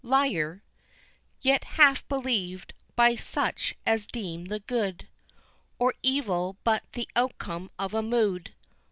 Liar, Yet half believed, by such as deem the good Or evil but the outcome of a mood.